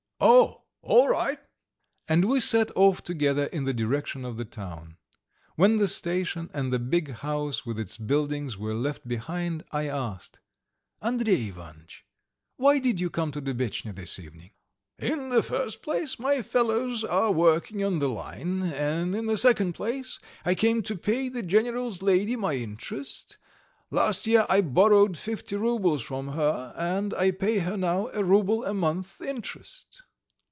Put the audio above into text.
"Oh, all right!" And we set off together in the direction of the town. When the station and the big house with its buildings were left behind I asked: "Andrey Ivanitch, why did you come to Dubetchnya this evening?" "In the first place my fellows are working on the line, and in the second place I came to pay the general's lady my interest. Last year I borrowed fifty roubles from her, and I pay her now a rouble a month interest."